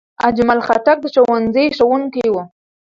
اجمل خټک د ښوونځي ښوونکی و.